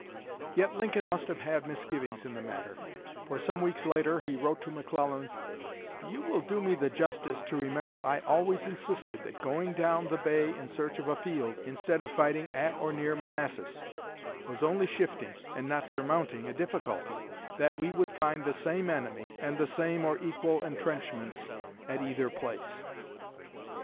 Yet Lincoln must have had misgivings in the matter, for some weeks later he wrote to McClellan: "You will do me the justice to remember I always insisted that going down the bay in search of a field, instead of fighting at or near Manassas, was only shifting, and not surmounting, a difficulty; that we would find the same enemy, and the same or equal intrenchments, at either place."